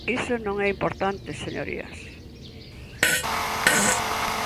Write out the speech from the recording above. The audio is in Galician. Isto non é importante, señorías.